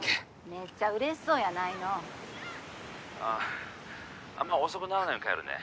めっちゃ嬉しそうやないの☎あっあんま遅くならないように帰るね